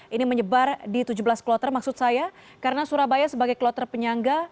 ini menyebar di tujuh belas kloter maksud saya karena surabaya sebagai kloter penyangga